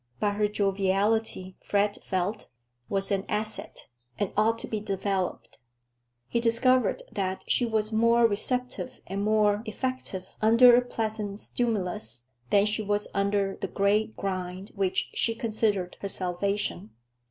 But her joviality, Fred felt, was an asset, and ought to be developed. He discovered that she was more receptive and more effective under a pleasant stimulus than she was under the gray grind which she considered her salvation.